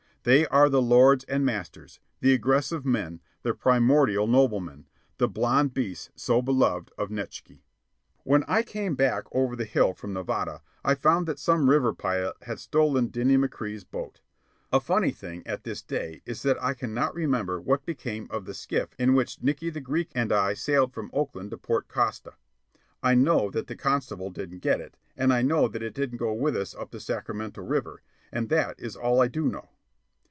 They are the lords and masters, the aggressive men, the primordial noblemen, the blond beasts so beloved of Nietzsche. When I came back over the hill from Nevada, I found that some river pirate had stolen Dinny McCrea's boat. (A funny thing at this day is that I cannot remember what became of the skiff in which Nickey the Greek and I sailed from Oakland to Port Costa. I know that the constable didn't get it, and I know that it didn't go with us up the Sacramento River, and that is all I do know.)